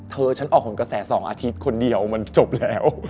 เธอฉันออกห่วงกระแส๒อาทิบคนเดียวมันจบแล้ว